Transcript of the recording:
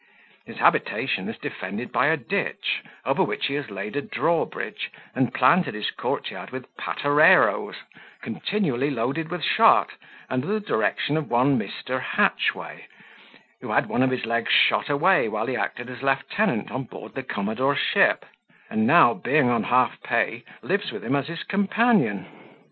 His habitation is defended by a ditch, over which he has laid a draw bridge, and planted his court yard with patereroes continually loaded with shot, under the direction of one Mr. Hatchway, who had one of his legs shot away while he acted as lieutenant on board the commodore's ship; and now, being on half pay, lives with him as his companion.